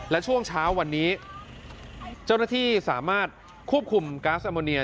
และช่วงเช้าวันนี้เจ้าหน้าที่สามารถควบคุมก๊าซอโมเนีย